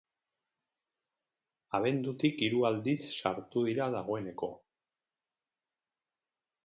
Abendutik hiru aldiz sartu dira dagoeneko.